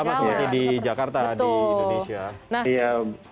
sama seperti di jakarta di indonesia